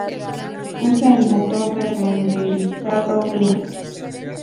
Usa el motor de renderizado Blink.